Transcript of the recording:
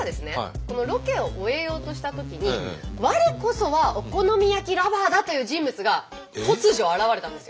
このロケを終えようとしたときに我こそはお好み焼きＬｏｖｅｒだ！という人物が突如現れたんですよ。